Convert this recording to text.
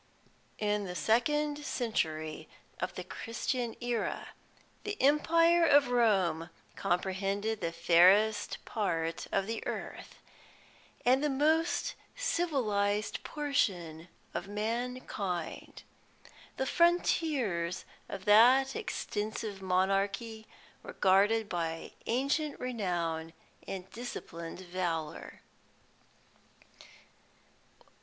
"In the second century of the Christian AEra, the empire of Rome comprehended the fairest part of the earth, and the most civilised portion of mankind. The frontiers of that extensive monarchy were guarded by ancient renown and disciplined valour."